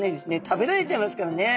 食べられちゃいますからね。